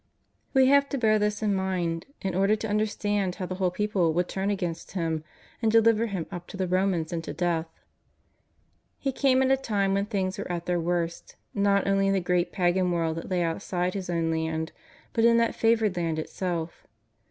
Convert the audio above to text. We have to bear this in mind in order to understand how the whole people could turn against Him and deliver Him up to the Ro mans and to death. He came at a time when things were at their worst, not only in the great pagan world that lay outside His OT\Ti Land, but in that favoured Land itself.